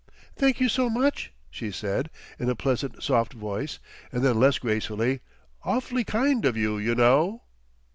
"Thank you so much," she said in a pleasant soft voice; and then less gracefully, "Awfully kind of you, you know."